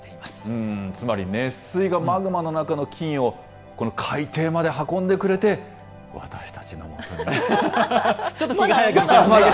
つまり熱水がマグマの中の金を海底まで運んでくれて、ちょっと気が早い。